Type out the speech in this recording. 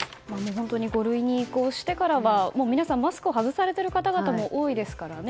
本当に５類に移行してからは皆さんマスクを外されている方々も多いですからね。